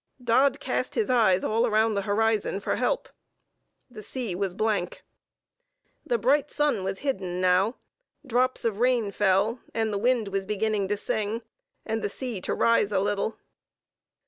Dodd cast his eyes all round the horizon for help. The sea was blank. The bright sun was hidden now; drops of rain fell, and the wind was beginning to sing; and the sea to rise a little.